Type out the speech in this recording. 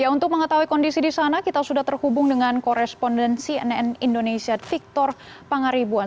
untuk mengetahui kondisi di sana kita sudah terhubung dengan korespondensi nn indonesia victor pangaribuan